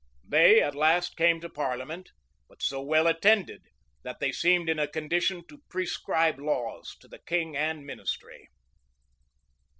They at last came to parliament, but so well attended, that they seemed in a condition to prescribe laws to the king and ministry.